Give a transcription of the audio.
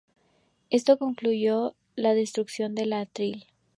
Esto incluyó la destrucción del atril.